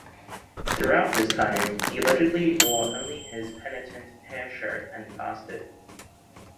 Throughout this time, he allegedly wore only his penitent hair-shirt and fasted.